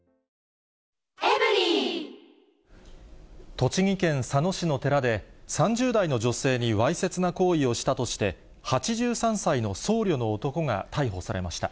栃木県佐野市の寺で、３０代の女性にわいせつな行為をしたとして、８３歳の僧侶の男が逮捕されました。